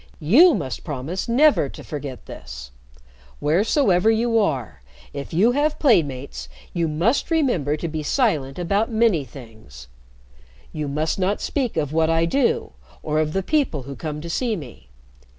You must promise never to forget this. Wheresoever you are; if you have playmates, you must remember to be silent about many things. You must not speak of what I do, or of the people who come to see me.